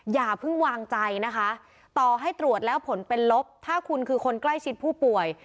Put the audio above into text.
อย่าเพิ่งวางใจนะคะต่อให้ตรวจแล้วผลเป็นลบถ้าคุณคือคนใกล้ชิดผู้ป่วย